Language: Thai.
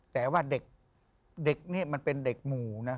แต่ว่าเด็กนี่มันเป็นเด็กหมู่นะ